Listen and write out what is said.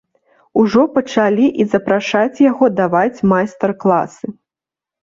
Ужо пачалі і запрашаць яго даваць майстар-класы.